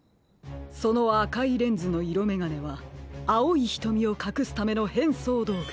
そのあかいレンズのいろめがねはあおいひとみをかくすためのへんそうどうぐ。